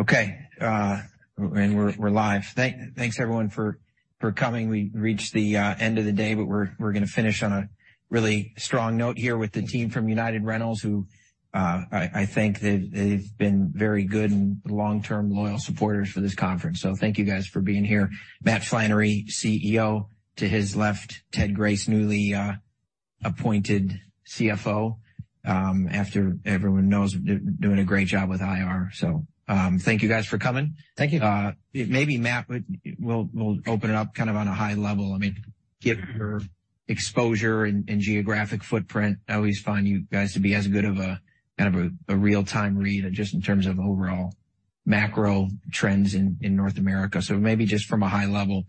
Okay. And we're live. Thanks everyone for coming. We've reached the end of the day, but we're gonna finish on a really strong note here with the team from United Rentals who, I think they've been very good and long-term loyal supporters for this conference. Thank you guys for being here. Matt Flannery, CEO. To his left, Ted Grace, newly appointed CFO, after everyone knows, doing a great job with IR. Thank you guys for coming. Thank you. Maybe we'll open it up kind of on a high level. I mean, give your exposure and geographic footprint. I always find you guys to be as good of a, kind of a real-time read just in terms of overall macro trends in North America. Maybe just from a high level,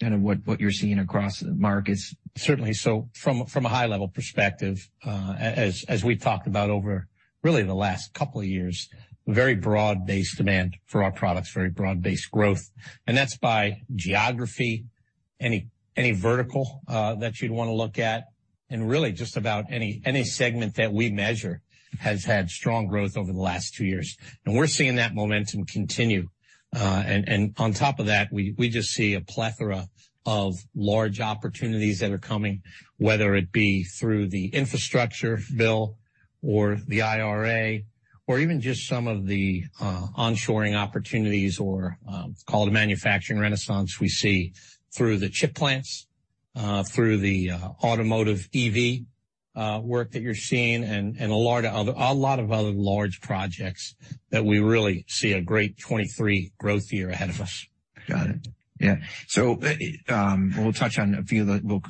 kind of what you're seeing across the markets. Certainly. From a high level perspective, as we've talked about over really the last couple of years, very broad-based demand for our products, very broad-based growth. That's by geography, any vertical that you'd want to look at. Really just about any segment that we measure has had strong growth over the last two years. We're seeing that momentum continue. On top of that, we just see a plethora of large opportunities that are coming, whether it be through the Infrastructure Bill or the IRA or even just some of the onshoring opportunities or it's called a manufacturing renaissance we see through the chip plants, through the automotive EV work that you're seeing and a lot of other large projects that we really see a great 23 growth year ahead of us. Got it. Yeah. We'll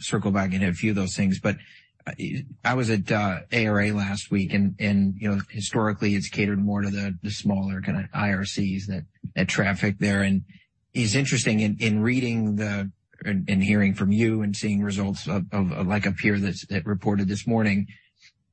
circle back into a few of those things. I was at ARA last week, and, you know, historically, it's catered more to the smaller kind of IRCs that traffic there. It's interesting in reading the and hearing from you and seeing results of like a peer that reported this morning,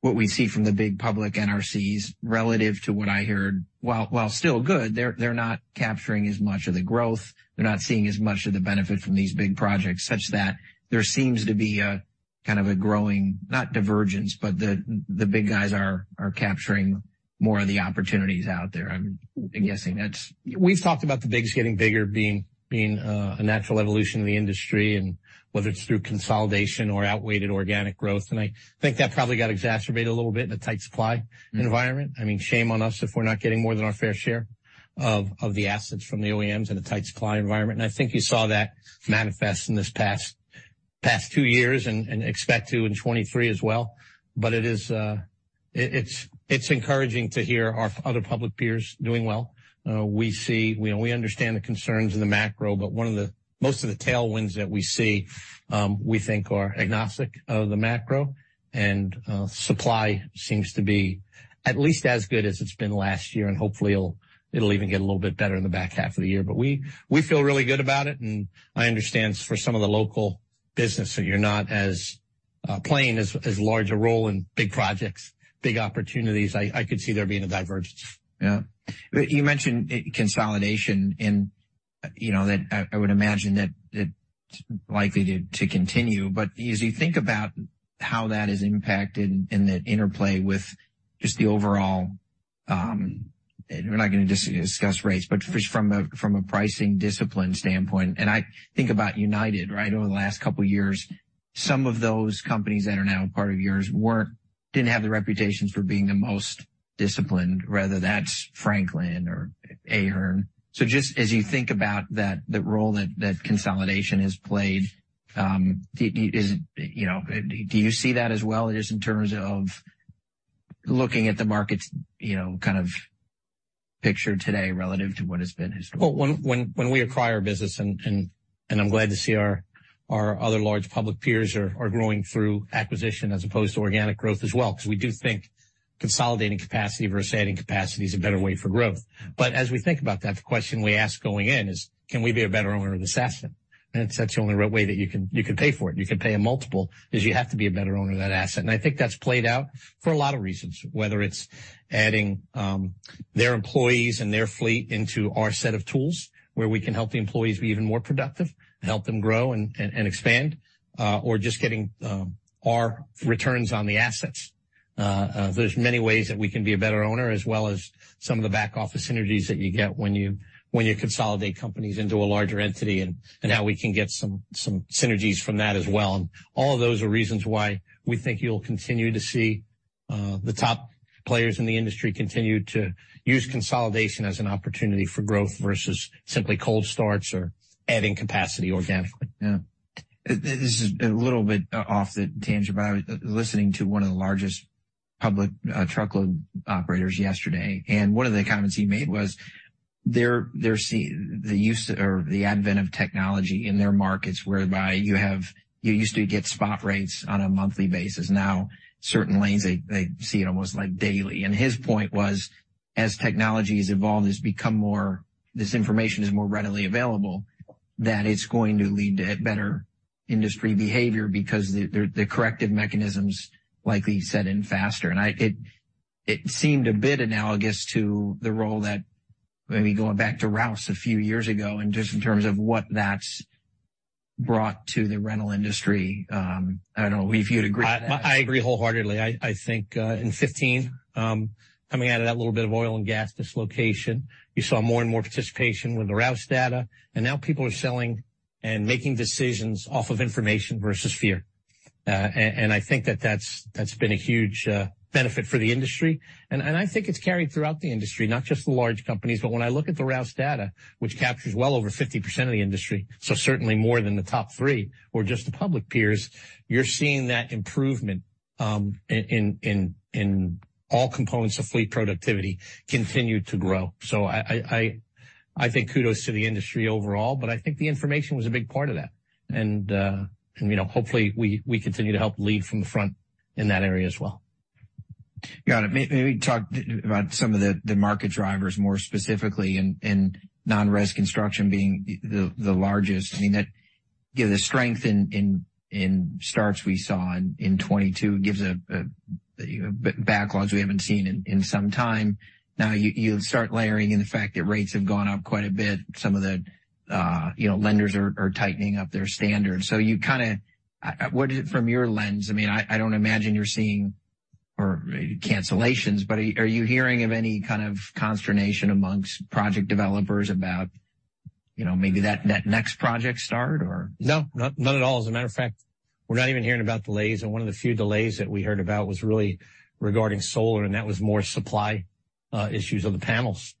what we see from the big public NRCs relative to what I heard, while still good, they're not capturing as much of the growth. They're not seeing as much of the benefit from these big projects such that there seems to be a, kind of a growing, not divergence, but the big guys are capturing more of the opportunities out there. I'm guessing that's. We've talked about the bigs getting bigger, being a natural evolution of the industry and whether it's through consolidation or outweighted organic growth. I think that probably got exacerbated a little bit in a tight supply environment. I mean, shame on us if we're not getting more than our fair share of the assets from the OEMs in a tight supply environment. I think you saw that manifest in this past two years and expect to in 23 as well. It is, it's encouraging to hear our other public peers doing well. We see, you know, we understand the concerns in the macro, but most of the tailwinds that we see, we think are agnostic of the macro. Supply seems to be at least as good as it's been last year, and hopefully it'll even get a little bit better in the back half of the year. We feel really good about it, and I understand for some of the local businesses, you're not as large a role in big projects, big opportunities. I could see there being a divergence. Yeah. You mentioned consolidation and, you know, that I would imagine that it's likely to continue. As you think about how that has impacted and the interplay with just the overall... we're not going to discuss rates, but just from a, from a pricing discipline standpoint. I think about United, right? Over the last couple of years, some of those companies that are now part of yours didn't have the reputations for being the most disciplined, whether that's Franklin or Ahern. Just as you think about that, the role that consolidation has played, is it, you know, do you see that as well just in terms of looking at the markets, you know, kind of picture today relative to what has been historical? Well, when we acquire business, and I'm glad to see our other large public peers are growing through acquisition as opposed to organic growth as well, because we do think consolidating capacity versus adding capacity is a better way for growth. As we think about that, the question we ask going in is, can we be a better owner of this asset? That's the only real way that you can pay for it. You can pay a multiple, is you have to be a better owner of that asset. I think that's played out for a lot of reasons, whether it's adding their employees and their fleet into our set of tools, where we can help the employees be even more productive, help them grow and expand, or just getting our returns on the assets. There's many ways that we can be a better owner, as well as some of the back office synergies that you get when you consolidate companies into a larger entity and how we can get some synergies from that as well. All of those are reasons why we think you'll continue to see the top players in the industry continue to use consolidation as an opportunity for growth versus simply cold starts or adding capacity organically. Yeah. This is a little bit off the tangent, I was listening to one of the largest public truckload operators yesterday. One of the comments he made was they're see the use or the advent of technology in their markets whereby you used to get spot rates on a monthly basis. Now, certain lanes, they see it almost like daily. His point was, as technology has evolved, it's become more, this information is more readily available, that it's going to lead to better industry behavior because the corrective mechanisms likely set in faster. It seemed a bit analogous to the role that maybe going back to Rouse a few years ago and just in terms of what that's brought to the rental industry. I don't know if you'd agree with that. I agree wholeheartedly. I think in 2015, coming out of that little bit of oil and gas dislocation, you saw more and more participation with the Rouse data. Now people are selling and making decisions off of information versus fear. I think that's been a huge benefit for the industry. I think it's carried throughout the industry, not just the large companies. When I look at the Rouse data, which captures well over 50% of the industry, so certainly more than the top three or just the public peers, you're seeing that improvement in all components of fleet productivity continue to grow. I think kudos to the industry overall, but I think the information was a big part of that. You know, hopefully we continue to help lead from the front in that area as well. Got it. Maybe talk about some of the market drivers more specifically and non-residential construction being the largest. I mean, that gives the strength in starts we saw in 2022. It gives a, you know, backlogs we haven't seen in some time. You start layering in the fact that rates have gone up quite a bit. Some of the, you know, lenders are tightening up their standards. What is it from your lens? I mean, I don't imagine you're seeing or cancellations, but are you hearing of any kind of consternation amongst project developers about, you know, maybe that next project start or? No, not at all. As a matter of fact, we're not even hearing about delays. One of the few delays that we heard about was really regarding solar, and that was more supply issues of the panels.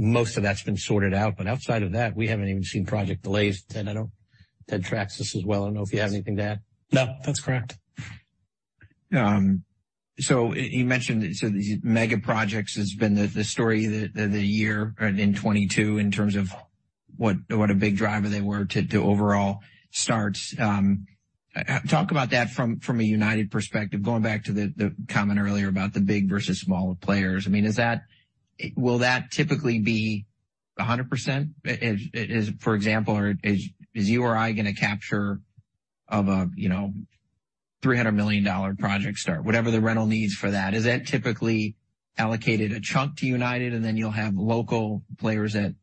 Most of that's been sorted out. Outside of that, we haven't even seen project delays. Ted tracks this as well. I don't know if you have anything to add. No, that's correct. You mentioned these mega projects has been the story the year in 2022 in terms of what a big driver they were to overall starts. Talk about that from a United perspective, going back to the comment earlier about the big versus smaller players. I mean, will that typically be 100%? Is, for example, is you or I going to capture of a, you know, $300 million project start, whatever the rental needs for that? Is that typically allocated a chunk to United, and then you'll have local players or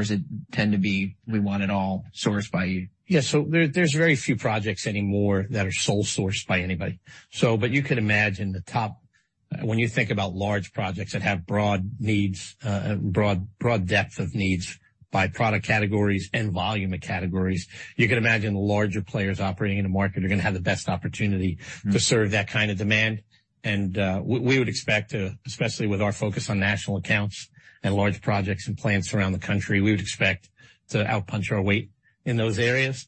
does it tend to be we want it all sourced by you? Yeah. There's very few projects anymore that are sole sourced by anybody. But you could imagine when you think about large projects that have broad needs, broad depth of needs by product categories and volume of categories, you can imagine the larger players operating in the market are going to have the best opportunity to serve that kind of demand. We would expect, especially with our focus on national accounts and large projects and plants around the country, we would expect to out-punch our weight in those areas.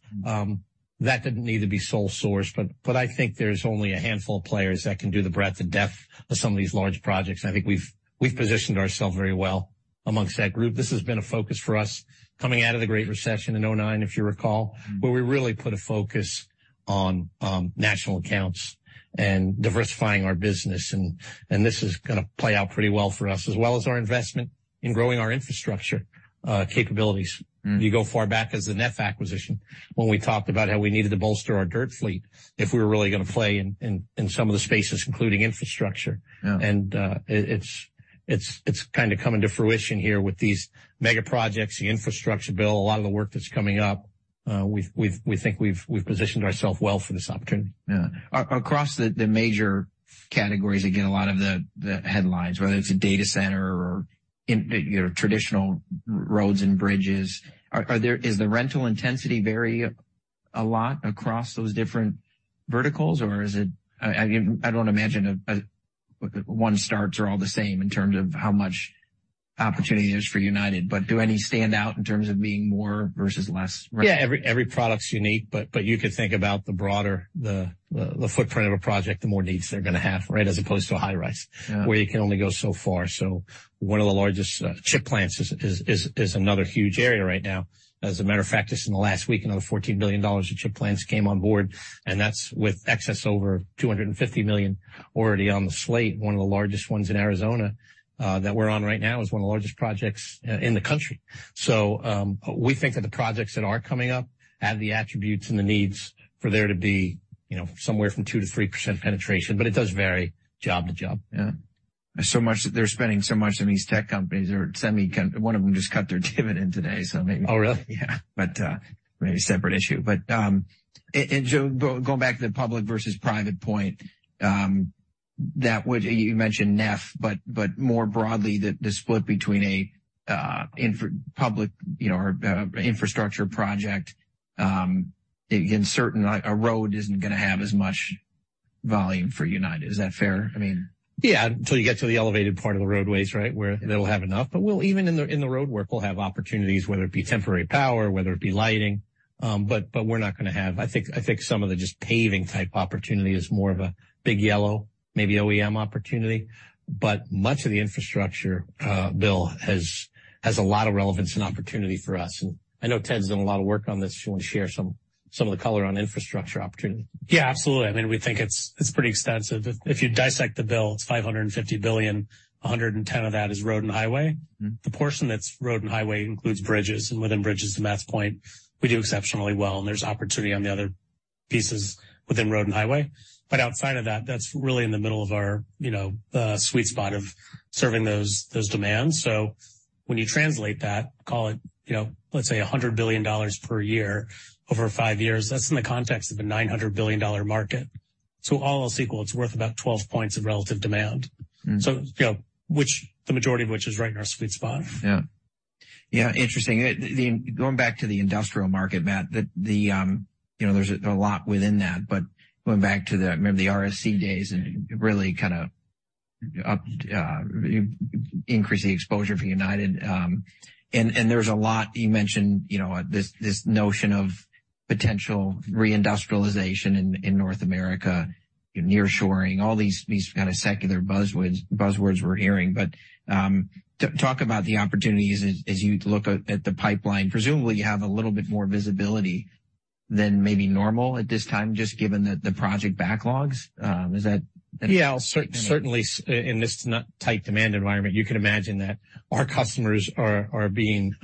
That didn't need to be sole sourced, but I think there's only a handful of players that can do the breadth and depth of some of these large projects. I think we've positioned ourselves very well amongst that group. This has been a focus for us coming out of the Great Recession in 2009, if you recall, where we really put a focus on national accounts and diversifying our business. This is going to play out pretty well for us, as well as our investment in growing our infrastructure capabilities. Mm-hmm. You go far back as the Neff acquisition, when we talked about how we needed to bolster our dirt fleet if we were really going to play in some of the spaces, including infrastructure. Yeah. It's kind of coming to fruition here with these mega projects, the Infrastructure bill, a lot of the work that's coming up. We think we've positioned ourselves well for this opportunity. Yeah. Across the major categories that get a lot of the headlines, whether it's a data center or in your traditional roads and bridges. Are there, is the rental intensity vary a lot across those different verticals or is it I don't imagine a one starts are all the same in terms of how much opportunity there is for United? Do any stand out in terms of being more versus less? Yeah, every product's unique. You could think about the broader the footprint of a project, the more needs they're going to have, right? As opposed to a high rise. Yeah. Where you can only go so far. One of the largest chip plants is another huge area right now. As a matter of fact, just in the last week, another $14 billion of chip plants came on board, and that's with excess over $250 million already on the slate. One of the largest ones in Arizona that we're on right now is one of the largest projects in the country. We think that the projects that are coming up have the attributes and the needs for there to be, you know, somewhere from 2%-3% penetration. It does vary job to job. Yeah. So much that they're spending so much on these tech companies. One of them just cut their dividend today, so maybe. Oh, really? Yeah. Maybe a separate issue. Joe, going back to the public versus private point, You mentioned Neff, but more broadly, the split between a public, you know, or infrastructure project, A road isn't going to have as much volume for United. Is that fair? I mean. Yeah. Until you get to the elevated part of the roadways, right, where they'll have enough. We'll even in the, in the roadwork, we'll have opportunities, whether it be temporary power, whether it be lighting. We're not going to have I think some of the just paving type opportunity is more of a big yellow, maybe OEM opportunity. Much of the infrastructure bill has a lot of relevance and opportunity for us. I know Ted's done a lot of work on this. Do you want to share some of the color on infrastructure opportunity? Yeah, absolutely. I mean, we think it's pretty extensive. If, if you dissect the bill, it's $550 billion. $110 of that is road and highway. Mm-hmm. The portion that's road and highway includes bridges. Within bridges, to Matt's point, we do exceptionally well. There's opportunity on the other. Pieces within road and highway. Outside of that's really in the middle of our, you know, sweet spot of serving those demands. When you translate that, call it, you know, let's say $100 billion per year over five years, that's in the context of a $900 billion market. All else equal, it's worth about 12 points of relative demand. Mm-hmm. You know, which the majority of which is right in our sweet spot. Yeah. Yeah, interesting. Going back to the industrial market, Matt, the, you know, there's a lot within that, but going back to the, remember the RSC days and really kinda increasing exposure for United. And there's a lot you mentioned, you know, this notion of potential reindustrialization in North America, nearshoring, all these kind of secular buzzwords we're hearing. Talk about the opportunities as you look at the pipeline. Presumably, you have a little bit more visibility than maybe normal at this time, just given the project backlogs. Is that? Yeah. Certainly in this tight demand environment, you can imagine that our customers are being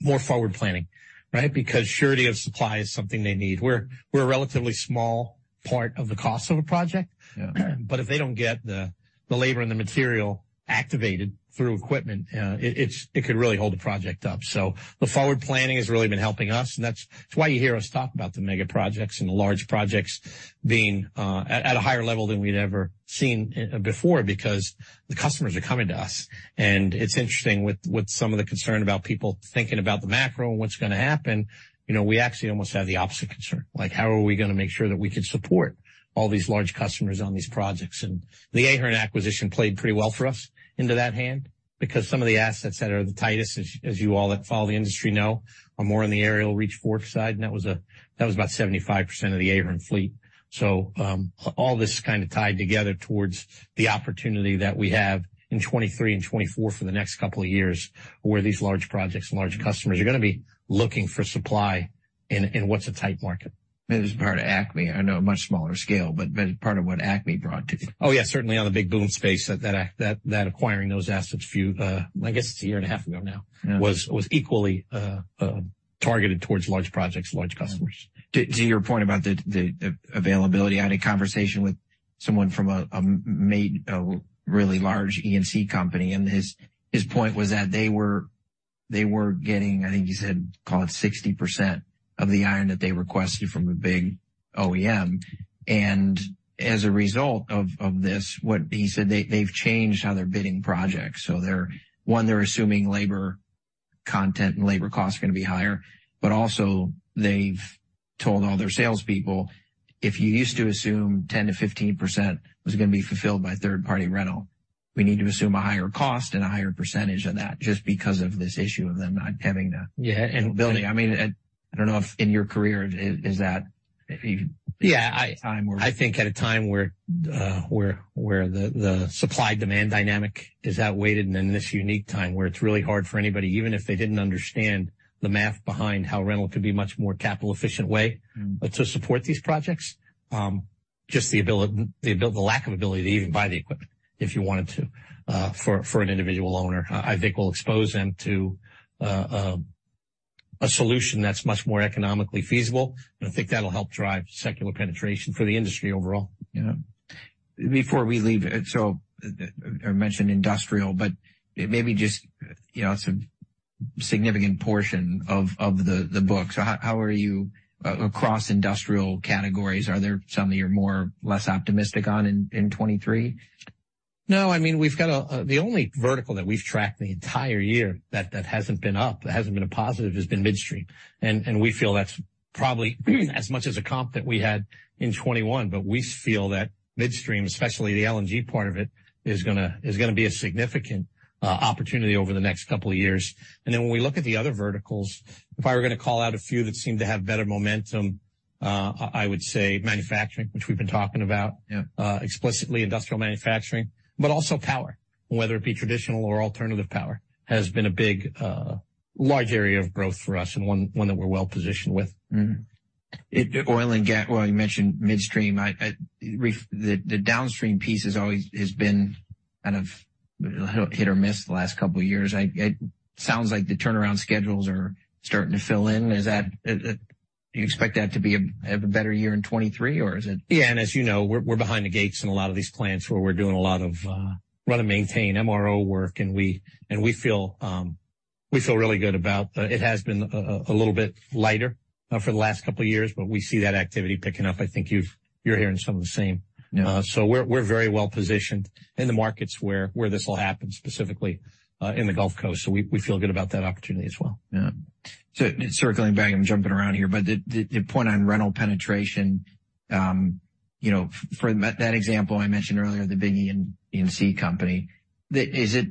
more forward planning, right? Surety of supply is something they need. We're a relatively small part of the cost of a project. Yeah. If they don't get the labor and the material activated through equipment, it could really hold the project up. The forward planning has really been helping us, and that's why you hear us talk about the mega projects and the large projects being at a higher level than we'd ever seen before, because the customers are coming to us. It's interesting with some of the concern about people thinking about the macro and what's gonna happen, you know, we actually almost have the opposite concern. Like, how are we gonna make sure that we can support all these large customers on these projects? The Ahern acquisition played pretty well for us into that hand because some of the assets that are the tightest, as you all that follow the industry know, are more in the aerial reach port side, and that was about 75% of the Ahern fleet. All this is kind of tied together towards the opportunity that we have in 2023 and 2024 for the next couple of years, where these large projects and large customers are gonna be looking for supply in what's a tight market. As part of Acme, I know a much smaller scale, but part of what Acme brought to you. Oh, yeah, certainly on the big boom space that acquiring those assets a few, I guess it's a year and a half ago now. Yeah. Was equally targeted towards large projects, large customers. To your point about the availability, I had a conversation with someone from a really large E&C company, his point was that they were getting, I think he said, call it 60% of the iron that they requested from a big OEM. As a result of this, what he said they've changed how they're bidding projects. One, they're assuming labor content and labor costs are gonna be higher, also, they've told all their salespeople, if you used to assume 10%-15% was gonna be fulfilled by third-party rental, we need to assume a higher cost and a higher percentage of that just because of this issue of them not having the. Yeah. Availability. I mean, I don't know if in your career is that. Yeah. I think at a time where the supply-demand dynamic is outweighed and in this unique time where it's really hard for anybody, even if they didn't understand the math behind how rental could be much more capital efficient. Mm-hmm. To support these projects, just the lack of ability to even buy the equipment if you wanted to, for an individual owner, I think will expose them to a solution that's much more economically feasible. I think that'll help drive secular penetration for the industry overall. Yeah. Before we leave, I mentioned industrial, but maybe just, you know, it's a significant portion of the book. How are you across industrial categories? Are there some that you're more or less optimistic on in 2023? No, I mean, we've got the only vertical that we've tracked the entire year that hasn't been up, that hasn't been a positive, has been midstream. We feel that's probably as much as a comp that we had in 2021. We feel that midstream, especially the LNG part of it, is gonna be a significant opportunity over the next two years. When we look at the other verticals, if I were gonna call out a few that seem to have better momentum, I would say manufacturing, which we've been talking about. Yeah. Explicitly industrial manufacturing, but also power, whether it be traditional or alternative power, has been a big, large area of growth for us and one that we're well positioned with. Oil and gas. Well, you mentioned midstream. I, the downstream piece has always been kind of hit or miss the last couple of years. It sounds like the turnaround schedules are starting to fill in. Do you expect that to be a better year in 2023, or is it? Yeah. As you know, we're behind the gates in a lot of these plants where we're doing a lot of run and maintain MRO work, and we feel really good about. It has been a little bit lighter for the last couple of years, we see that activity picking up. I think you're hearing some of the same. Yeah. We're very well positioned in the markets where this will happen, specifically, in the Gulf Coast. We feel good about that opportunity as well. Yeah. Circling back, I'm jumping around here, the point on rental penetration, you know, for that example I mentioned earlier, the big E&C company. Is it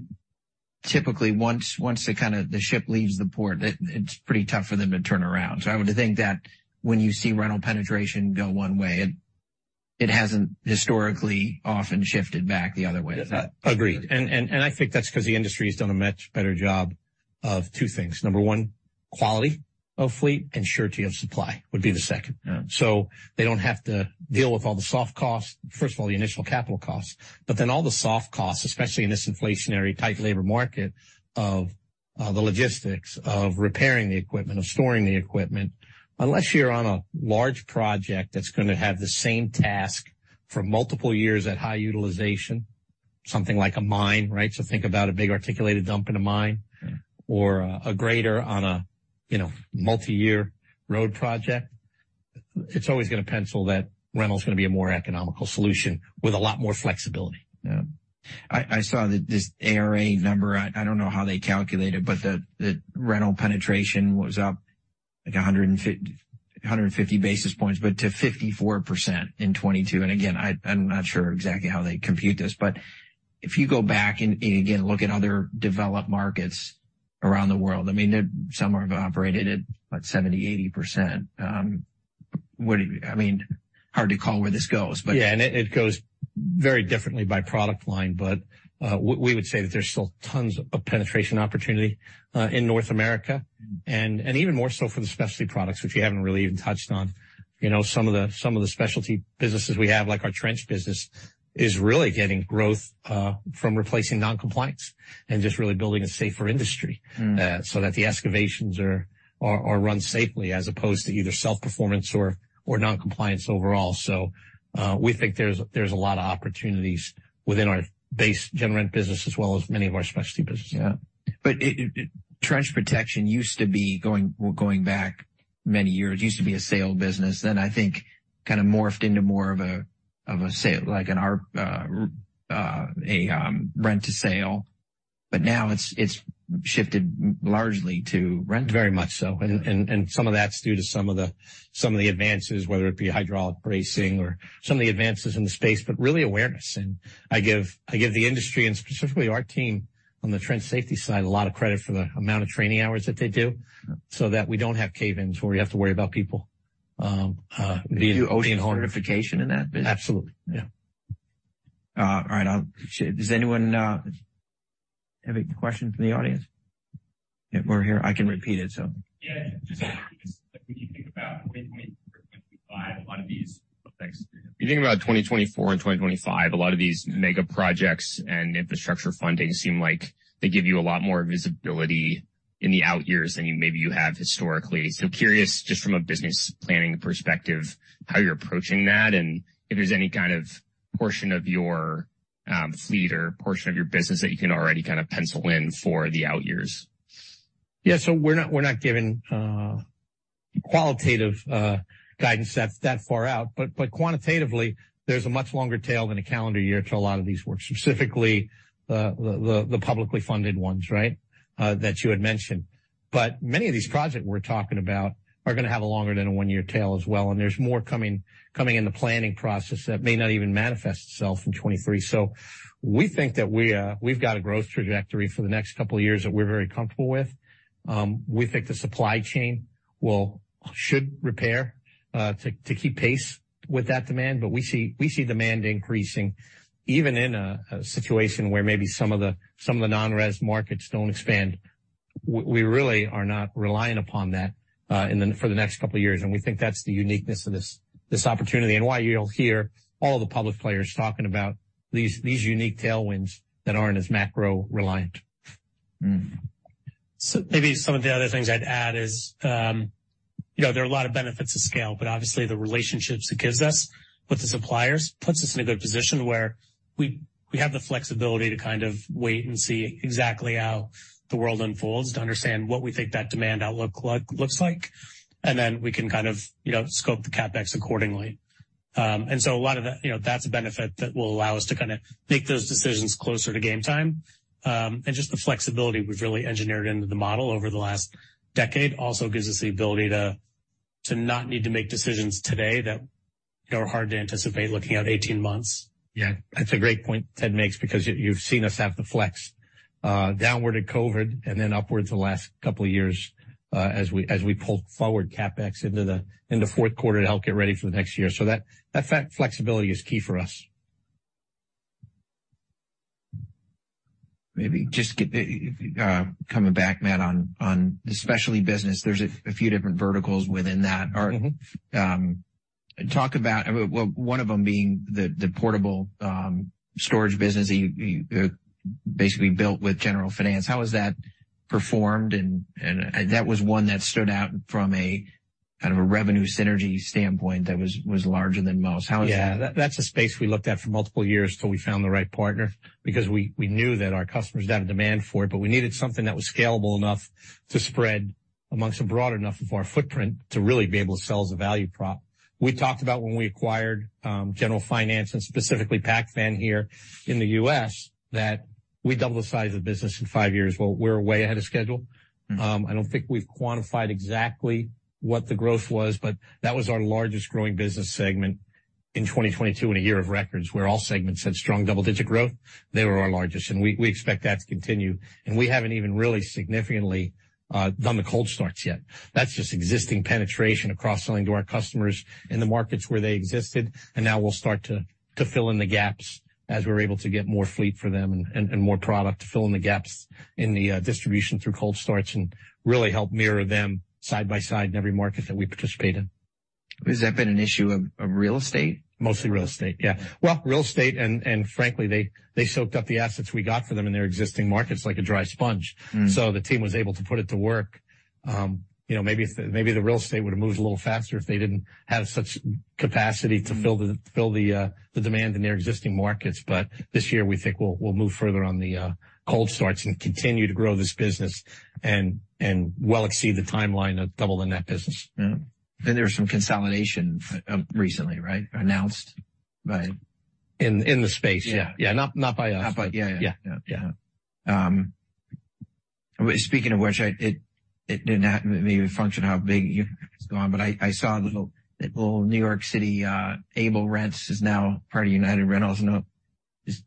typically once the kind of ship leaves the port, it's pretty tough for them to turn around. I would think that when you see rental penetration go one way, it hasn't historically often shifted back the other way. Is that? Agreed. I think that's 'cause the industry has done a much better job of two things. Number one, quality of fleet, and surety of supply would be the second. Yeah. They don't have to deal with all the soft costs. First of all, the initial capital costs, but then all the soft costs, especially in this inflationary, tight labor market, the logistics of repairing the equipment, of storing the equipment. Unless you're on a large project that's going to have the same task for multiple years at high utilization, something like a mine, right. Think about a big articulated dump in a mine or a grader on a, you know, multi-year road project. It's always going to pencil that rental is going to be a more economical solution with a lot more flexibility. Yeah. I saw this ARA number. I don't know how they calculate it, but the rental penetration was up, like, 150 basis points, but to 54% in 2022. Again, I'm not sure exactly how they compute this, but if you go back and again look at other developed markets around the world, I mean, some are operated at what? 70%, 80%. I mean, hard to call where this goes. Yeah. It goes very differently by product line. We would say that there's still tons of penetration opportunity, in North America, and even more so for the specialty products, which you haven't really even touched on. You know, some of the, some of the specialty businesses we have, like our trench business, is really getting growth, from replacing non-compliance and just really building a safer industry. Mm. That the excavations are run safely as opposed to either self-performance or non-compliance overall. We think there's a lot of opportunities within our base general rent business as well as many of our specialty businesses. Yeah. Trench protection used to be going back many years, used to be a sale business, then I think kind of morphed into more of a, of a sale like a rent to sale. Now it's shifted largely to rent. Very much so. Some of that's due to some of the advances, whether it be hydraulic bracing or some of the advances in the space, but really awareness. I give the industry and specifically our team on the trench safety side a lot of credit for the amount of training hours that they do so that we don't have cave-ins where we have to worry about people. Do you do certification in that? Absolutely. Yeah. All right, I'll see. Does anyone have any questions in the audience? We're here. I can repeat it so. You think about 2024 and 2025, a lot of these mega projects and infrastructure funding seem like they give you a lot more visibility in the out years than maybe you have historically. Curious, just from a business planning perspective, how you're approaching that, and if there's any kind of portion of your fleet or portion of your business that you can already kind of pencil in for the out years. Yeah. We're not, we're not giving qualitative guidance that that far out. Quantitatively, there's a much longer tail than a calendar year to a lot of these works, specifically the publicly funded ones, right, that you had mentioned. Many of these projects we're talking about are going to have a longer than a one-year tail as well. There's more coming in the planning process that may not even manifest itself in 2023. We think that we've got a growth trajectory for the next couple of years that we're very comfortable with. We think the supply chain should repair to keep pace with that demand. We see demand increasing even in a situation where maybe some of the non-residential markets don't expand. We really are not reliant upon that, for the next couple of years. We think that's the uniqueness of this opportunity and why you'll hear all the public players talking about these unique tailwinds that aren't as macro reliant. Mm. Maybe some of the other things I'd add is, you know, there are a lot of benefits of scale. Obviously the relationships it gives us with the suppliers puts us in a good position where we have the flexibility to kind of wait and see exactly how the world unfolds, to understand what we think that demand outlook looks like. Then we can kind of, you know, scope the CapEx accordingly. A lot of that, you know, that's a benefit that will allow us to kind of make those decisions closer to game time. Just the flexibility we've really engineered into the model over the last decade also gives us the ability to not need to make decisions today that are hard to anticipate looking out 18 months. Yeah, that's a great point Ted makes because you've seen us have the flex, downward at COVID and then upwards the last couple of years, as we pulled forward CapEx into the fourth quarter to help get ready for the next year. That, that flexibility is key for us. Maybe just coming back, Matt, on the specialty business, there's a few different verticals within that. Mm-hmm. Talk about, well, one of them being the portable storage business that you basically built with General Finance. How has that performed? That was one that stood out from a kind of a revenue synergy standpoint that was larger than most. How is that? Yeah. That's a space we looked at for multiple years till we found the right partner because we knew that our customers had a demand for it, but we needed something that was scalable enough to spread amongst a broad enough of our footprint to really be able to sell as a value prop. We talked about when we acquired General Finance and specifically Pac-Van here in the U.S., that we double the size of the business in five years. Well, we're way ahead of schedule. I don't think we've quantified exactly what the growth was, but that was our largest growing business segment in 2022 in a year of records where all segments had strong double-digit growth. They were our largest. We expect that to continue. We haven't even really significantly done the cold starts yet. That's just existing penetration cross-selling to our customers in the markets where they existed. Now we'll start to fill in the gaps as we're able to get more fleet for them and more product to fill in the gaps in the distribution through cold starts and really help mirror them side by side in every market that we participate in. Has that been an issue of real estate? Mostly real estate, yeah. Well, real estate and frankly, they soaked up the assets we got for them in their existing markets like a dry sponge. Mm. The team was able to put it to work. you know, maybe the real estate would have moved a little faster if they didn't have such capacity to build the demand in their existing markets. This year, we think we'll move further on the cold starts and continue to grow this business and well exceed the timeline of doubling that business. Yeah. there's some consolidation, recently, right? In the space. Yeah. Yeah. Not by us. Not by... Yeah, yeah. Yeah. Yeah. speaking of which, it didn't happen maybe with Function, how big it's gone, but I saw that little New York City, Able Rents is now part of United Rentals. Now, is...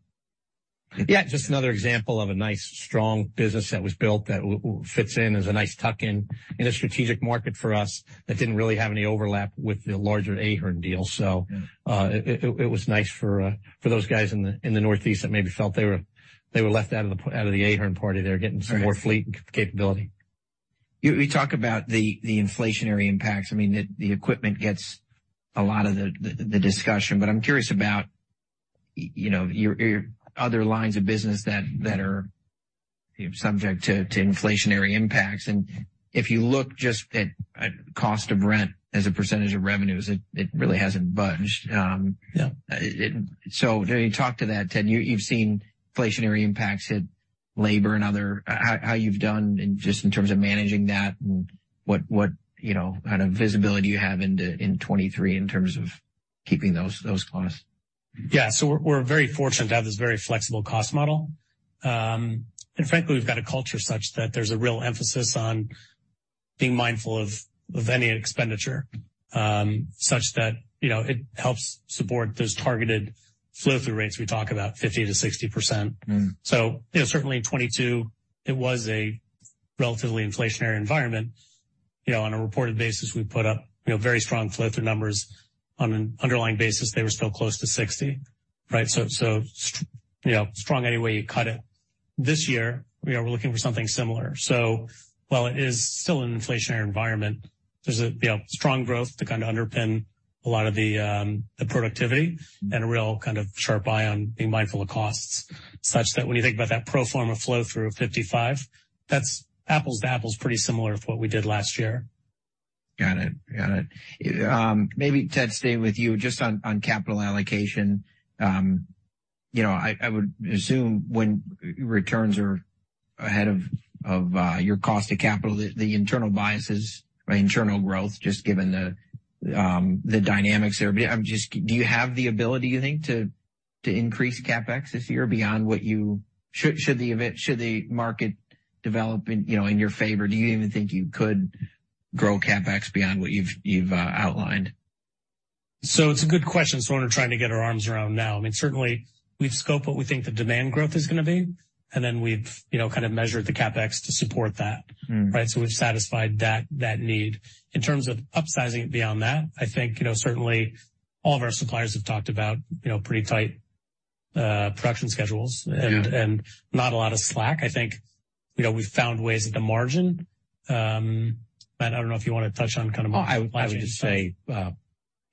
Yeah, just another example of a nice, strong business that was built that fits in as a nice tuck-in in a strategic market for us that didn't really have any overlap with the larger Ahern deal. Yeah. It was nice for those guys in the Northeast that maybe felt they were left out of the Ahern party. They're getting some more fleet capability. You talk about the inflationary impacts. I mean, the equipment gets a lot of the discussion, but I'm curious about, you know, your other lines of business that are subject to inflationary impacts. If you look just at cost of rent as a percentage of revenues, it really hasn't budged. Can you talk to that, Ted? You've seen inflationary impacts hit labor and other. How you've done in just in terms of managing that and what, you know, kind of visibility you have into 2023 in terms of keeping those costs? Yeah. We're very fortunate to have this very flexible cost model. Frankly, we've got a culture such that there's a real emphasis on being mindful of any expenditure, such that, you know, it helps support those targeted flow-through rates we talk about, 50%-60%. Mm. you know, certainly in 2022, it was a relatively inflationary environment. You know, on a reported basis, we put up, you know, very strong flow-through numbers. On an underlying basis, they were still close to 60, right? you know, strong any way you cut it. This year, you know, we're looking for something similar. While it is still an inflationary environment, there's a, you know, strong growth to kind of underpin a lot of the productivity and a real kind of sharp eye on being mindful of costs, such that when you think about that pro forma flow-through of 55, that's apples to apples, pretty similar to what we did last year. Got it. Got it. Maybe, Ted, staying with you just on capital allocation. You know, I would assume when returns are ahead of, your cost of capital, the internal biases, right, internal growth, just given the dynamics there. Do you have the ability, you think, to increase CapEx this year beyond what you? Should the market develop in, you know, in your favor, do you even think you could grow CapEx beyond what you've outlined? It's a good question. It's one we're trying to get our arms around now. I mean, certainly we've scoped what we think the demand growth is gonna be, and then we've, you know, kind of measured the CapEx to support that, right? Mm. We've satisfied that need. In terms of upsizing it beyond that, I think, you know, certainly all of our suppliers have talked about, you know, pretty tight production schedules and not a lot of slack. I think, you know, we've found ways at the margin, but I don't know if you want to touch on kind of. I would just say, you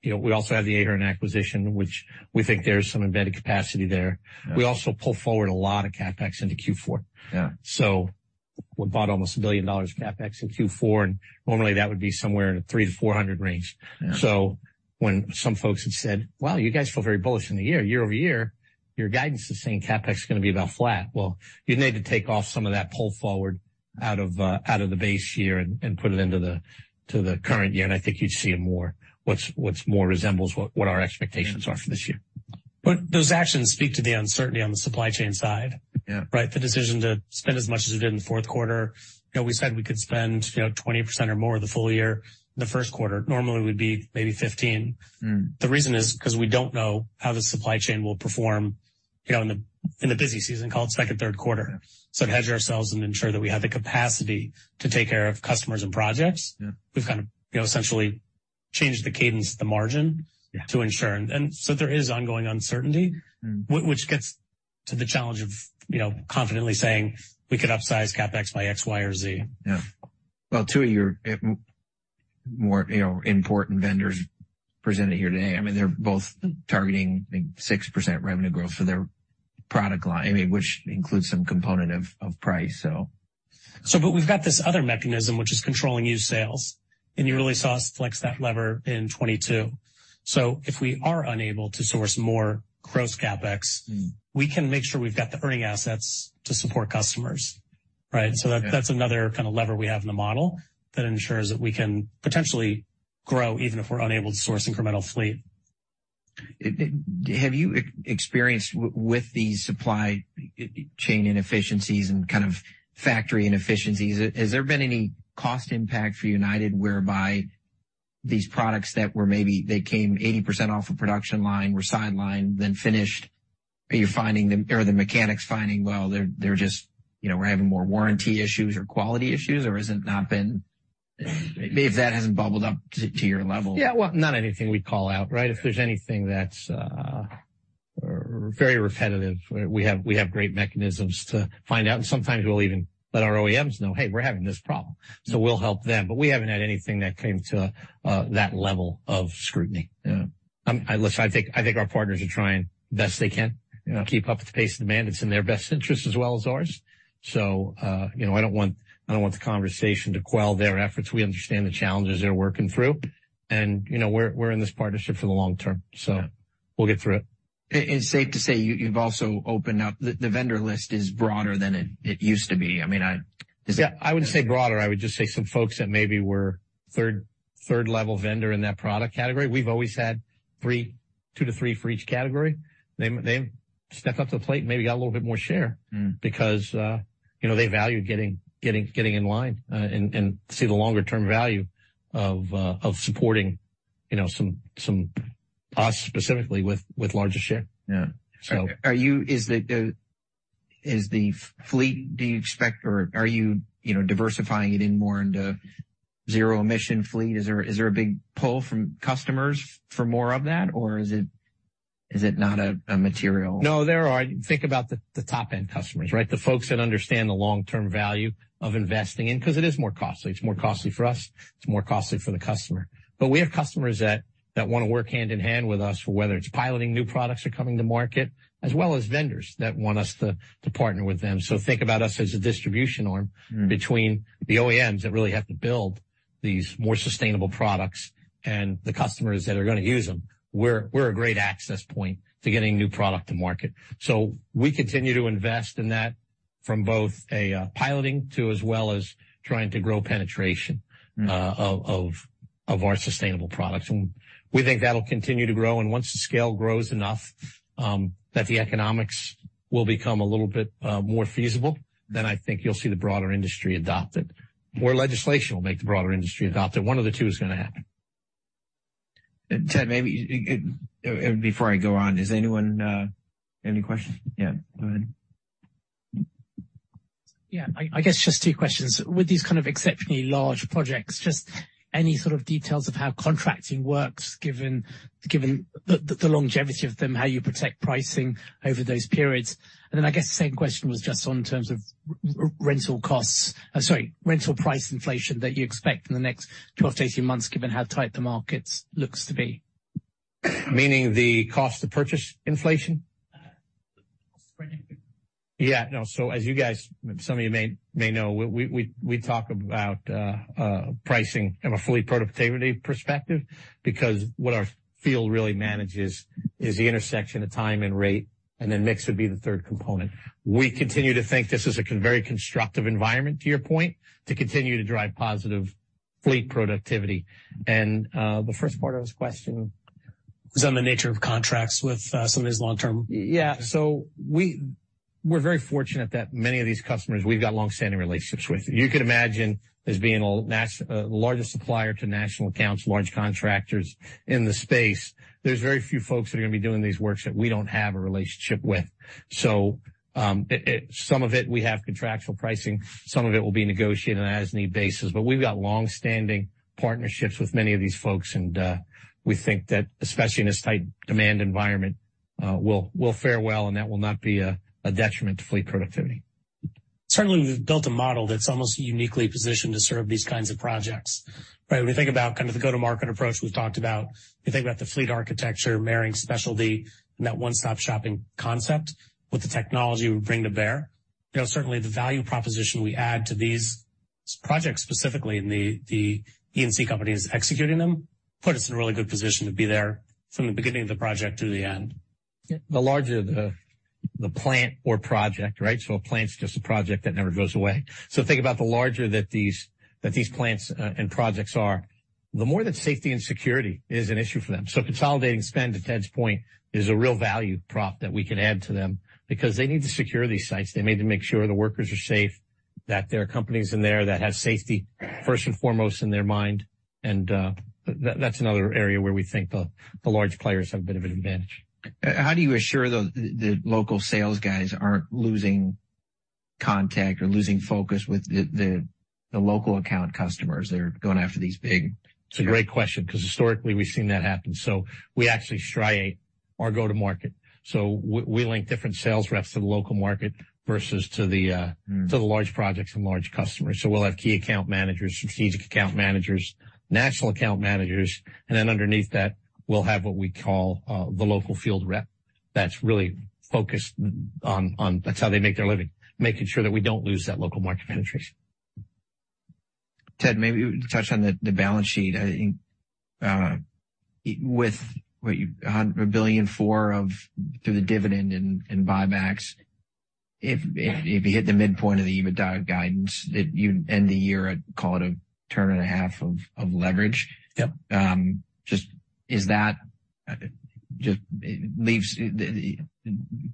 know, we also have the Ahern acquisition, which we think there's some embedded capacity there. Yeah. We also pull forward a lot of CapEx into Q4. Yeah. We bought almost $1 billion of CapEx in Q4, and normally that would be somewhere in the $300 million-$400 million range. Yeah. When some folks had said, "Wow, you guys feel very bullish in the year. Year-over-year, your guidance is saying CapEx is gonna be about flat." Well, you'd need to take off some of that pull forward out of the base year and put it into the current year, and I think you'd see it more what's more resembles what our expectations are for this year. Those actions speak to the uncertainty on the supply chain side. Yeah. Right? The decision to spend as much as we did in the fourth quarter, you know, we said we could spend, you know, 20% or more of the full-year in the first quarter. Normally would be maybe 15. Mm. The reason is because we don't know how the supply chain will perform, you know, in the, in the busy season called second, third quarter. Yeah. To hedge ourselves and ensure that we have the capacity to take care of customers and projects. Yeah. We've kind of, you know, essentially changed the cadence at the margin. Yeah. To ensure, there is ongoing uncertainty. Mm. Gets to the challenge of, you know, confidently saying we could upsize CapEx by X, Y, or Z. Yeah. Well, two of your more, you know, important vendors presented here today. I mean, they're both targeting, I think, 6% revenue growth for their product line, I mean, which includes some component of price, so. We've got this other mechanism which is controlling used sales, and you really saw us flex that lever in 2022. If we are unable to source more gross CapEx. Mm. We can make sure we've got the earning assets to support customers, right? Yeah. That's another kind of lever we have in the model that ensures that we can potentially grow even if we're unable to source incremental fleet. Have you experienced with the supply chain inefficiencies and kind of factory inefficiencies, has there been any cost impact for United whereby these products that were maybe they came 80% off a production line, were sidelined, then finished? Are you finding them or are the mechanics finding, well, they're just, you know, we're having more warranty issues or quality issues? Or has it not been... If that hasn't bubbled up to your level? Yeah. Well, not anything we'd call out, right? If there's anything that's very repetitive. We have great mechanisms to find out, and sometimes we'll even let our OEMs know, "Hey, we're having this problem." We'll help them. We haven't had anything that came to that level of scrutiny. Yeah. Listen, I think our partners are trying best they can- Yeah. -to keep up with the pace of demand. It's in their best interest as well as ours. You know, I don't want the conversation to quell their efforts. We understand the challenges they're working through. You know, we're in this partnership for the long term. Yeah. We'll get through it. It's safe to say you've also opened up... The vendor list is broader than it used to be. I mean, Yeah. I wouldn't say broader. I would just say some folks that maybe were third-level vendor in that product category, we've always had three, two to three for each category. They've stepped up to the plate and maybe got a little bit more share. Mm. You know, they value getting in line, and see the longer-term value of supporting, you know, some us specifically with larger share. Yeah. So. Is the fleet, do you expect or are you know, diversifying it in more into zero-emission fleet? Is there a big pull from customers for more of that, or is it not a material? No, there are. Think about the top-end customers, right? The folks that understand the long-term value of investing in, because it is more costly. It's more costly for us, it's more costly for the customer. We have customers that wanna work hand in hand with us, for whether it's piloting new products or coming to market, as well as vendors that want us to partner with them. Think about us as a distribution arm- Mm. -between the OEMs that really have to build these more sustainable products and the customers that are gonna use them. We're a great access point to getting new product to market. We continue to invest in that from both a piloting to as well as trying to grow penetration- Mm. Of our sustainable products. We think that'll continue to grow. Once the scale grows enough, that the economics will become a little bit more feasible, then I think you'll see the broader industry adopt it. More legislation will make the broader industry adopt it. One of the two is gonna happen. Ted, maybe, before I go on, is anyone, any questions? Go ahead. Yeah. I guess just two questions. With these kind of exceptionally large projects, just any sort of details of how contracting works, given the longevity of them, how you protect pricing over those periods? I guess the same question was just on in terms of rental costs, sorry, rental price inflation that you expect in the next 12 to 18 months, given how tight the markets looks to be? Meaning the cost to purchase inflation? Spreading. Yeah. No. As you guys, some of you may know, we talk about pricing from a fleet productivity perspective, because what our field really manages is the intersection of time and rate, and then mix would be the third component. We continue to think this is a very constructive environment, to your point, to continue to drive positive fleet productivity. The first part of his question? Was on the nature of contracts with, some of these. We're very fortunate that many of these customers we've got long-standing relationships with. You could imagine as being largest supplier to national accounts, large contractors in the space, there's very few folks that are gonna be doing these works that we don't have a relationship with. Some of it we have contractual pricing, some of it will be negotiated on an as-need basis. We've got long-standing partnerships with many of these folks, and we think that especially in this tight demand environment, we'll fare well, and that will not be a detriment to fleet productivity. Certainly, we've built a model that's almost uniquely positioned to serve these kinds of projects, right? We think about kind of the go-to-market approach we've talked about. We think about the fleet architecture marrying specialty and that one-stop shopping concept with the technology we bring to bear. You know, certainly the value proposition we add to these projects, specifically in the E&C companies executing them, puts us in a really good position to be there from the beginning of the project to the end. The larger the plant or project, right? A plant's just a project that never goes away. Think about the larger that these plants and projects are, the more that safety and security is an issue for them. Consolidating spend, to Ted's point, is a real value prop that we can add to them because they need to secure these sites. They need to make sure the workers are safe, that there are companies in there that have safety first and foremost in their mind. That's another area where we think the large players have a bit of an advantage. How do you assure, though, the local sales guys aren't losing contact or losing focus with the local account customers? They're going after these. It's a great question, 'cause historically, we've seen that happen. We actually striate our go-to-market. We link different sales reps to the local market versus to the large projects and large customers. We'll have key account managers, strategic account managers, national account managers, and then underneath that, we'll have what we call the local field rep. That's really focused on. That's how they make their living, making sure that we don't lose that local market penetration. Ted, maybe touch on the balance sheet. $1.4 billion of through the dividend and buybacks. If you hit the midpoint of the EBITDA guidance, that you'd end the year at, call it a turn and a half of leverage. Yep. just is that, just leaves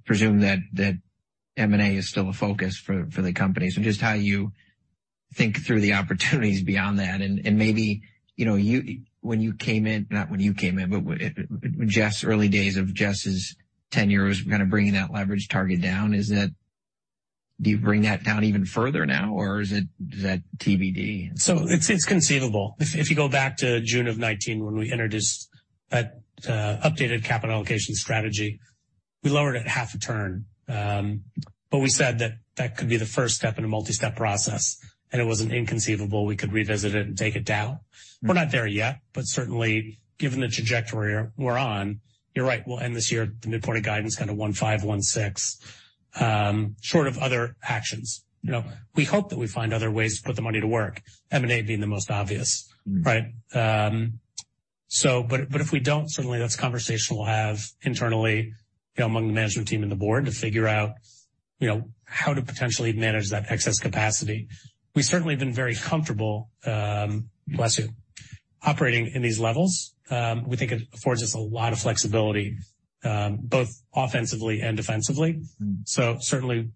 presume that M&A is still a focus for the company. Just how you think through the opportunities beyond that and maybe, you know, you when you came in, not when you came in, but when Jeff's early days of Jeff's tenure was kind of bringing that leverage target down, do you bring that down even further now, or is it is that TBD? It's conceivable. If you go back to June of 2019 when we introduced that updated capital allocation strategy, we lowered it half a turn. But we said that that could be the first step in a multi-step process, and it wasn't inconceivable we could revisit it and take it down. We're not there yet, but certainly given the trajectory we're on, you're right, we'll end this year at the midpoint of guidance, kind of 1.5, 1.6, short of other actions. You know, we hope that we find other ways to put the money to work, M&A being the most obvious, right? But if we don't, certainly that's a conversation we'll have internally, you know, among the management team and the board to figure out, you know, how to potentially manage that excess capacity. We certainly have been very comfortable, bless you, operating in these levels. We think it affords us a lot of flexibility, both offensively and defensively. Certainly,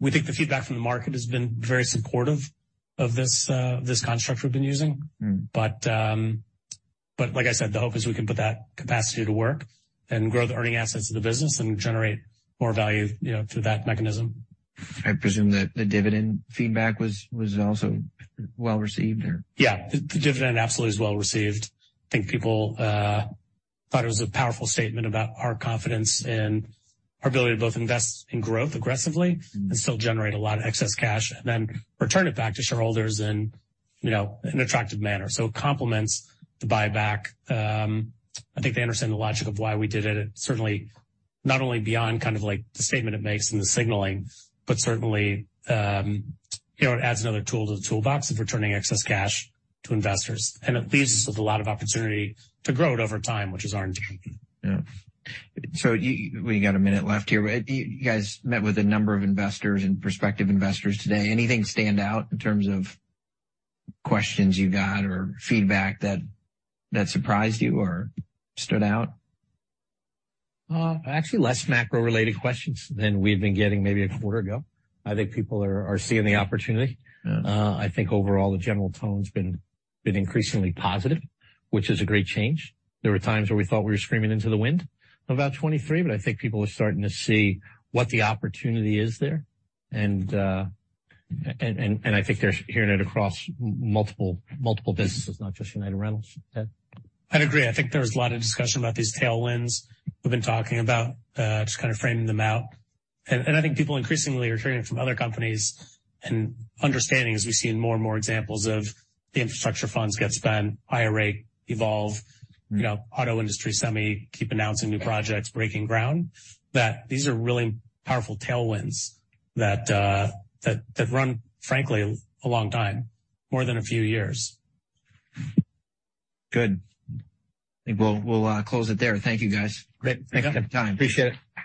we think the feedback from the market has been very supportive of this construct we've been using. Mm-hmm. Like I said, the hope is we can put that capacity to work and grow the earning assets of the business and generate more value, you know, through that mechanism. I presume that the dividend feedback was also well-received or? Yeah. The dividend absolutely is well-received. I think people thought it was a powerful statement about our confidence and our ability to both invest in growth aggressively and still generate a lot of excess cash and then return it back to shareholders in, you know, an attractive manner. It complements the buyback. I think they understand the logic of why we did it. It certainly not only beyond kind of like the statement it makes and the signaling, but certainly, you know, it adds another tool to the toolbox of returning excess cash to investors. It leaves us with a lot of opportunity to grow it over time, which is our intention. Yeah. We got a minute left here. You guys met with a number of investors and prospective investors today. Anything stand out in terms of questions you got or feedback that surprised you or stood out? Actually less macro-related questions than we've been getting maybe a quarter ago. I think people are seeing the opportunity. Yeah. I think overall the general tone's been increasingly positive, which is a great change. There were times where we thought we were screaming into the wind about 23, but I think people are starting to see what the opportunity is there. I think they're hearing it across multiple businesses, not just United Rentals. Ted? I'd agree. I think there was a lot of discussion about these tailwinds we've been talking about, just kind of framing them out. I think people increasingly are hearing it from other companies and understanding as we've seen more and more examples of the infrastructure funds get spent, IRA evolve, you know, auto industry, semi keep announcing new projects, breaking ground, that these are really powerful tailwinds that run, frankly, a long time, more than a few years. Good. I think we'll close it there. Thank you, guys. Great. Thanks for your time. Appreciate it.